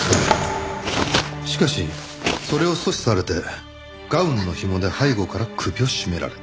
しかしそれを阻止されてガウンのひもで背後から首を絞められた。